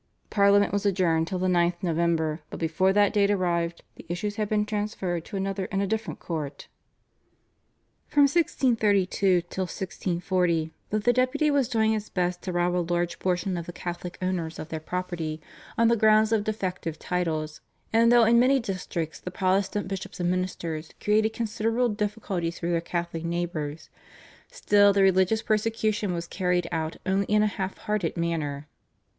Parliament was adjourned till the 9th November, but before that date arrived the issues had been transferred to another and a different court. From 1632 till 1640, though the Deputy was doing his best to rob a large portion of the Catholic owners of their property on the ground of defective titles, and though in many districts the Protestant bishops and ministers created considerable difficulties for their Catholic neighbours, still the religious persecution was carried out only in a half hearted manner.